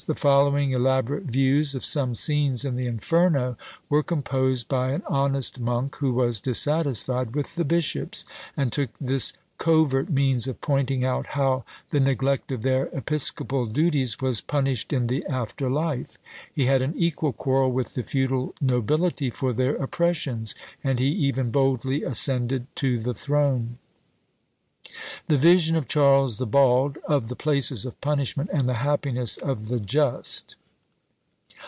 The following elaborate views of some scenes in the Inferno were composed by an honest monk who was dissatisfied with the bishops, and took this covert means of pointing out how the neglect of their episcopal duties was punished in the after life; he had an equal quarrel with the feudal nobility for their oppressions: and he even boldly ascended to the throne. "The Vision of Charles the Bald, of the places of punishment, and the happiness of the Just.